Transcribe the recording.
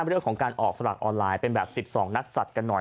เรื่องของการออกสลากออนไลน์เป็นแบบ๑๒นักสัตว์กันหน่อย